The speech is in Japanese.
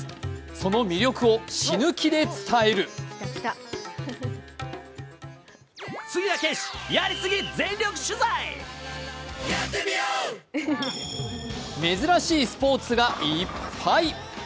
その魅力を死ぬ気で伝える珍しいスポーツがいっぱい。